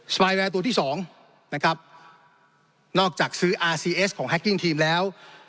สปายแวร์ตัวที่สองนะครับนอกจากซื้อของทีมแล้ว